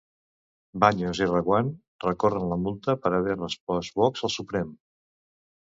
Baños i Reguant recorren la multa per haver respost Vox al Suprem.